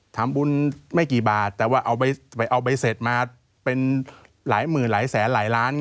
ทำบุญไม่กี่บาทแต่ว่าเอาไปเอาใบเสร็จมาเป็นหลายหมื่นหลายแสนหลายล้าน